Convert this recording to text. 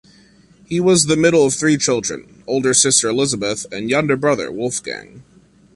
He was the middle of three children, older sister Elisabeth and younger brother Wolfgang.